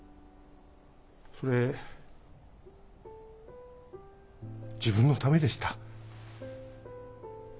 それ自分のためでした。